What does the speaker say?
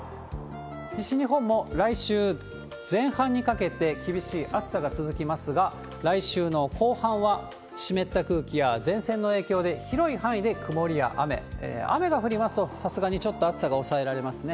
西日本も来週前半にかけて厳しい暑さが続きますが、来週の後半は湿った空気や前線の影響で、広い範囲で曇りや雨、雨が降りますと、さすがにちょっと暑さが抑えられますね。